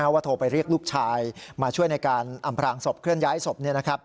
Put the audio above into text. โทรไปเรียกลูกชายมาช่วยในการอำพลางศพเคลื่อนย้ายศพ